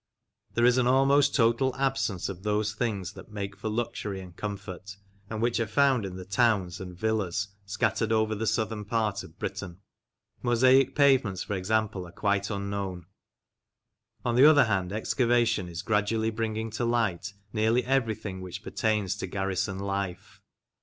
There is an almost total absence of those things that make for luxury and comfort, and which are found in the towns and " villas " scattered over the southern part of Britain. Mosaic pavements, for example, are quite unknown. On the other hand, excavation is gradually bringing to light nearly everything which pertains to garrison life.